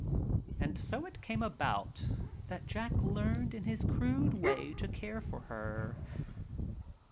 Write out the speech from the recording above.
And so it came about that Jack learned in his crude way to care for her.